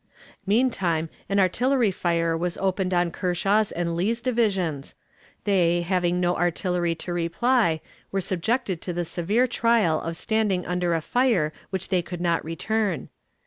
Meantime an artillery fire was opened on Kershaw's and Lee's divisions; they, having no artillery to reply, were subjected to the severe trial of standing under a fire which they could not return.